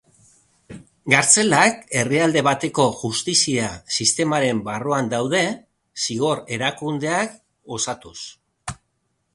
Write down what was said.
Kartzelak herrialde bateko justizia sistemaren barruan daude zigor-erakundeak osatuz.